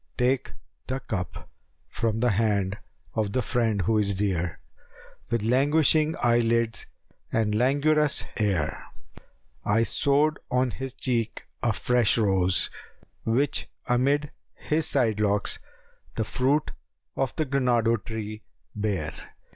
Take the cup from the hand of the friend who is dear * With languishing eye lids and languorous air. I sowed on his cheek a fresh rose, which amid * His side locks the fruit of granado tree bare.